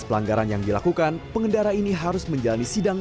pelanggaran yang dilakukan pengendara ini harus menjalani sidang